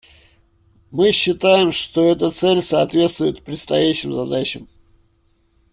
Мы считаем, что эта цель соответствует предстоящим задачам.